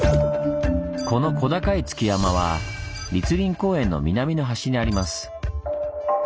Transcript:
この小高い築山は栗林公園の南の端にあります。